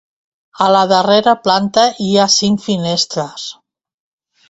A la darrera planta hi ha cinc finestres.